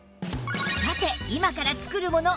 さて今から作るもの